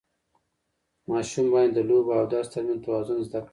ماشوم باید د لوبو او درس ترمنځ توازن زده کړي.